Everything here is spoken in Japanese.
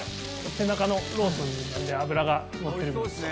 背中のロースの部分なんで脂がのってるんです。